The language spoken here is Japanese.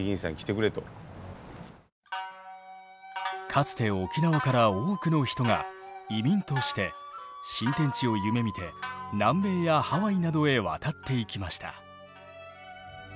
かつて沖縄から多くの人が移民として新天地を夢みて南米やハワイなどへ渡っていきました。